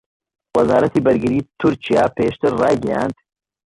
وەزارەتی بەرگریی تورکیا پێشتر ڕایگەیاند